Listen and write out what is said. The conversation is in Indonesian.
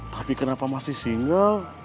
tapi kenapa masih single